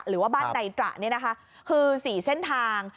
หรือว่าบ้านในตระนี่นะคะคือ๔เส้นทาง